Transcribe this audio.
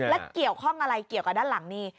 และเกี่ยวข้องอะไรเกี่ยวกับด้านหลังนี่